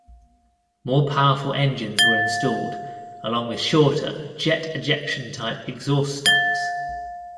More powerful engines were installed along with shorter, jet ejection-type exhaust stacks.